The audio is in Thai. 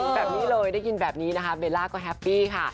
แบบนี้เลยได้ยินแบบนี้นะคะเบลล่าก็แฮปปี้ค่ะ